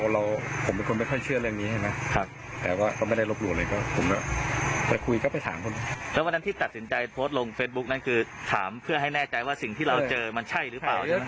แล้ววันนั้นที่ตัดสินใจโพสต์ลงเฟซบุ๊กนั้นคือถามเพื่อให้แน่ใจว่าสิ่งที่เราเจอมันใช่หรือเปล่าใช่ไหม